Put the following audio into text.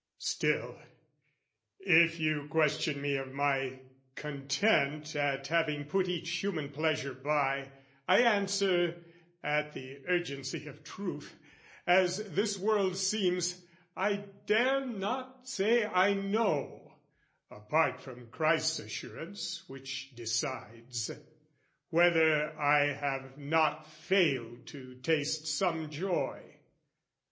"Still, if you question me of my content "At having put each human pleasure by, "I answer, at the urgency of truth, "As this world seems, I dare not say I know " Apart from Christ's assurance which decides "Whether I have not failed to taste some joy.